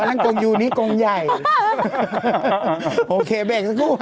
กระดาษที่ยัดในท้าวนั่นจะจับดูใช่ไหมถุงเท้าหรือเปล่า